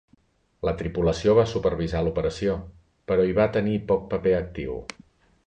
La tripulació va supervisar l'operació, però hi va tenir poc paper actiu.